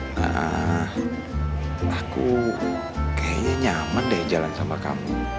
nah aku kayaknya nyaman deh jalan sama kamu